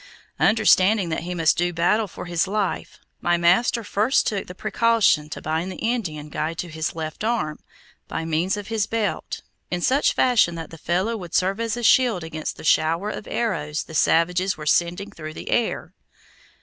Understanding that he must do battle for his life, my master first took the precaution to bind the Indian guide to his left arm, by means of his belt, in such fashion that the fellow would serve as a shield against the shower of arrows the savages were sending through the air.